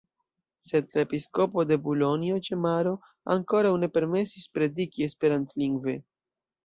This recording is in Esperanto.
Sed la episkopo de Bulonjo ĉe Maro ankoraŭ ne permesis prediki esperantlingve.